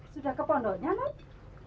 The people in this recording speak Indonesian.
sudah ke pondonya nam